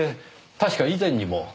確か以前にも。